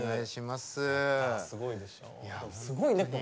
すごいねここ。